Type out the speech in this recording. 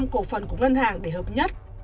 cổ phần của ngân hàng để hợp nhất